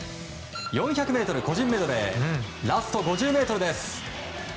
４００ｍ個人メドレーラスト５０ｍ。